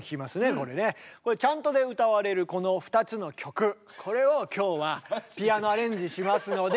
これチャントで歌われるこの２つの曲これを今日はピアノアレンジしますので。